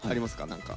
何か。